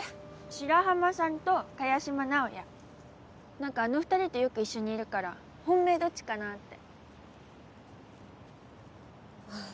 白浜さんと萱島直哉何かあの二人とよく一緒にいるから本命どっちかなあってああ